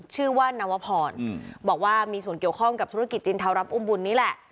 ชื่อว่านวพรบอกว่ามีส่วนเกี่ยวข้องกับธุรกิจจินเทารับอุ้มบุญนี่แหละ